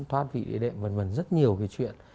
thoát vị đệm vân vân rất nhiều cái chuyện